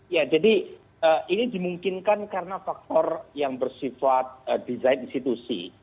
ya jadi ini dimungkinkan karena faktor yang bersifat design institusi